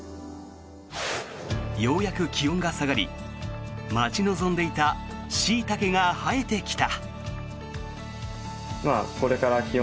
ようやく気温が下がり待ち望んでいたシイタケが生えてきた。